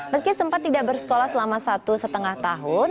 meski sempat tidak bersekolah selama satu setengah tahun